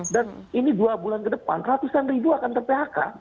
dan ini dua bulan ke depan ratusan ribu akan ter phk